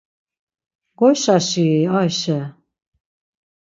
Goyşaşi-i Ayşe.